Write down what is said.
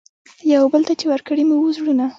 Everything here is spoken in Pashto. یوه بل ته چي ورکړي مو وه زړونه